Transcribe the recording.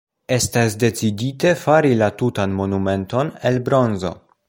Estas decidite fari la tutan monumenton el bronzo.